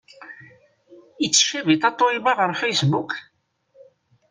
Ittcabi Tatoeba ɣer Facebook?